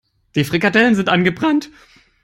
Die Frikadellen sind angebrannt.